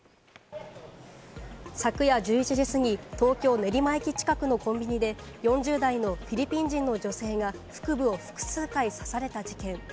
昨夜１１時過ぎ、東京・練馬駅近くのコンビニで４０代のフィリピン人の女性が腹部を複数回刺された事件。